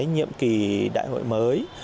ở một cái nhiệm kỳ đại hội mới